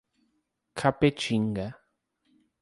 Capetinga